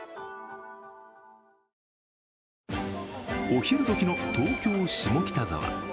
お昼時の東京・下北沢。